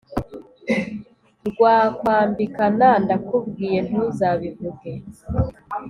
rwakwambikana ndakubwiye ntuzabivuge!"